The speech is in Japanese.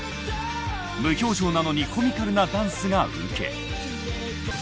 無表情なのにコミカルなダンスがウケ